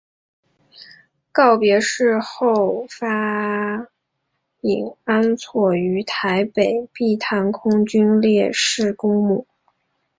告别式后发引安厝于台北碧潭空军烈士公墓。